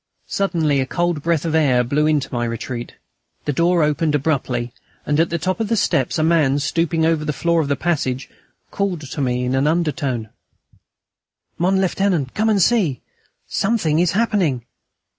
Suddenly a cold breath of air blew into my retreat. The door opened abruptly, and at the top of the steps a man, stooping over the floor of the passage, called me in an undertone: "Mon Lieutenant, come and see.... Something is happening...."